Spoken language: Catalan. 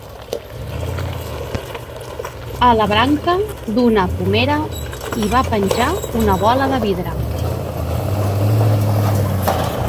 A la branca d'una pomera hi va penjar una bola de vidre